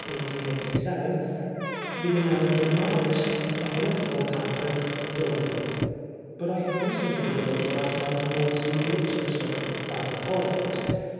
1887) ; The American Irish, a political pamphlet, Dublin. " But I have recently devoted myself more to literature than to politics.